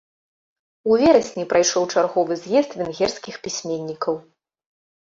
У верасні прайшоў чарговы з'езд венгерскіх пісьменнікаў.